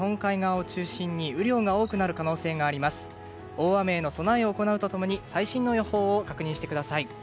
大雨への備えを行うと共に最新の予報を確認してください。